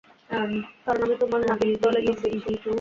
কারণ আমি তোমার নাবিক দলে যোগ দিচ্ছি।